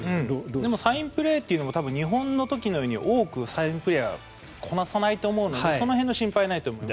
でもサインプレーというのも日本の時のように多くサインプレーはこなさないと思うのでその辺の心配はないと思います。